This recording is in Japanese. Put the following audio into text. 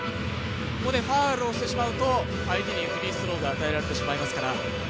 ここでファウルをしてしまうと相手にフリースローが与えられてしまいますから。